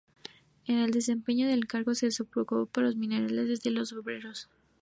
En el desempeño del cargo se preocupó por los intereses de los obreros.